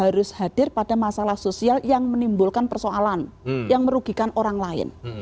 harus hadir pada masalah sosial yang menimbulkan persoalan yang merugikan orang lain